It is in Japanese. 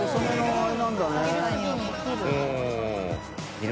あれ。